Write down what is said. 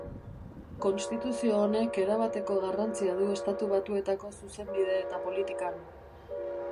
Konstituzio honek erabateko garrantzia du Estatu Batuetako zuzenbide eta politikan.